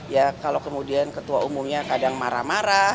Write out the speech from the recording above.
ya kalau kemudian ketua umumnya kadang marah marah